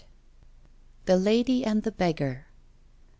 THE LADY AND THE BEGGAR.